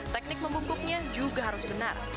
teknik membungkuknya juga harus benar